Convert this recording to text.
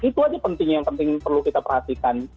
itu aja pentingnya yang penting perlu kita perhatikan